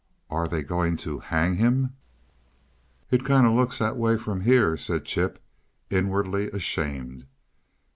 "Are they going to HANG him?" "It kinda looks that way, from here," said Chip, inwardly ashamed.